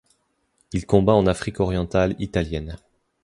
Il combat en Afrique orientale italienne.